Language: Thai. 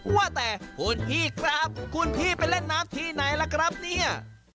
ว่าแต่คุณพี่ครับคุณพี่ไปเล่นน้ำที่ไหนล่ะครับเนี่ย